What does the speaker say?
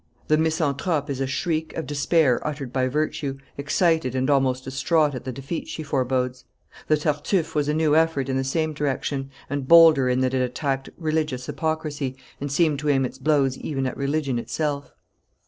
The Misanthrope is a shriek of despair uttered by virtue, excited and almost distraught at the defeat she forebodes. The Tartuffe was a new effort in the same direction, and bolder in that it attacked religious hypocrisy, and seemed to aim its blows even at religion itself.